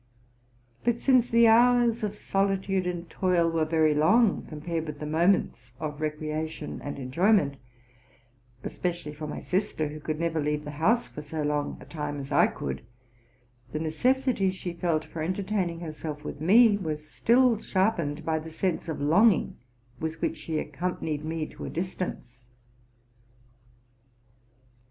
But since the hours of solitude and toil were very long compared with the moments of recreation and enjoyment, especially for my sister, who could never leave the house for so long a time as I could, the ne cessity she felt for entertaining herself with me was still sharpened by the sense of longing with which she accompa nied me to a distance.